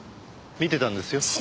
見てたんですよ。